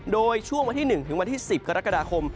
โดยช่วงวันที่๑ถึงวันที่๑๐กรกฎาคม